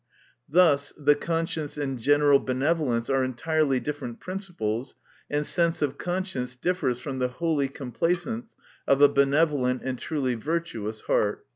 Thus the conscience and general benevolence are entirely different principles, and sense of conscience differs from the holy complacence of a benevolent and truly virtuous heart.